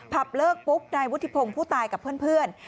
เลิกปุ๊บนายวุฒิพงศ์ผู้ตายกับเพื่อน